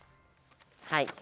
はい。